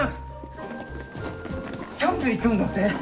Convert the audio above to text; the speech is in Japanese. キャンプ行くんだってね？